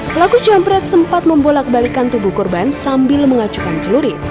pelaku jampret sempat membolak balikan tubuh korban sambil mengacukan celurit